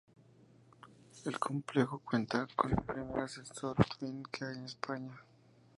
El complejo cuenta con el primer ascensor twin que hay en España.